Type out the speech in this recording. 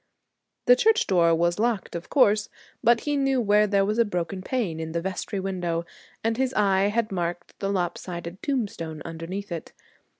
The church door was locked, of course, but he knew where there was a broken pane in the vestry window, and his eye had marked the lop sided tombstone underneath it.